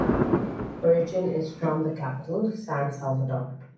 Origin is from the capital, San Salvador.